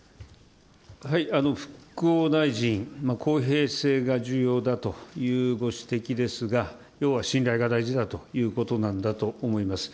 復興大臣、公平性が重要だというご指摘ですが、要は信頼が大事だということなんだと思います。